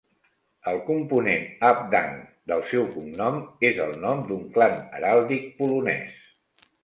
El component "Habdank" del seu cognom és el nom d'un clan heràldic polonès.